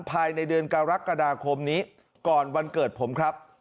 ภายในเดือนกรกฎาคมนี้ก่อนวันเกิดผมครับ